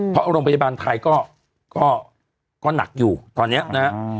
เพราะโรงพยาบาลไทยก็หนักอยู่ตอนนี้นะฮะ